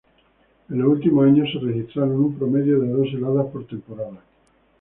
En los últimos años se registraron un promedio de dos heladas por temporada.